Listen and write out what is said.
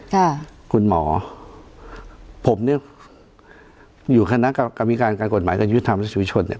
ค่ะคุณหมอผมเนี้ยอยู่คณะกรรมการวิการการกฎหมายการยุทธรรมและชีวิตชนเนี่ย